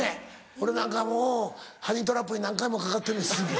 俺なんかもうハニートラップに何回もかかってるすごい。